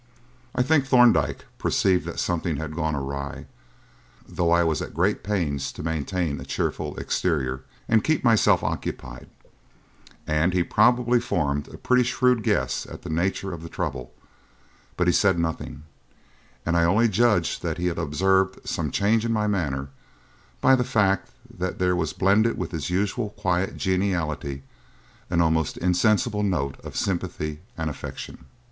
I think Thorndyke perceived that something had gone awry, though I was at great pains to maintain a cheerful exterior and keep myself occupied, and he probably formed a pretty shrewd guess at the nature of the trouble; but he said nothing, and I only judged that he had observed some change in my manner by the fact that there was blended with his usual quiet geniality an almost insensible note of sympathy and affection.